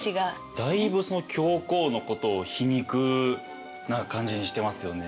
だいぶその教皇のことを皮肉な感じにしてますよね。